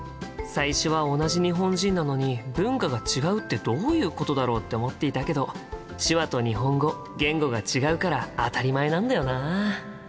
最初は同じ日本人なのに文化が違うってどういうことだろうって思っていたけど手話と日本語言語が違うから当たり前なんだよな。